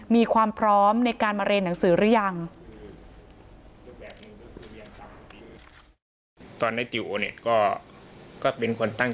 มีความพร้อมในการมาเรียนหนังสือหรือยัง